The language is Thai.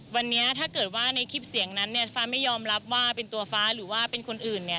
วันนี้ถ้าเกิดว่าในคลิปเสียงนั้นเนี่ยฟ้าไม่ยอมรับว่าเป็นตัวฟ้าหรือว่าเป็นคนอื่นเนี่ย